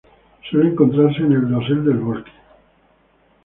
Suele encontrarse en el dosel del bosque.